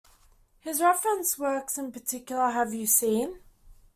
His reference works in particular - Have You Seen...?